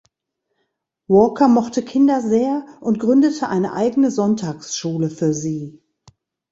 Walker mochte Kinder sehr und gründete eine eigene Sonntagsschule für sie.